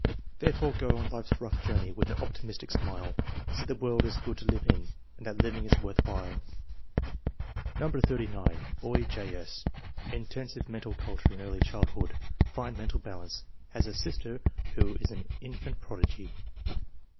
Therefore go on life's rough journey with an optimistic smile, See the world is good to live in, and that living is worth while. No. 39. Boy: J. 8. Intensive mental culture in early childhood. Fine mental balance. Has a sister who is an infant prodigy.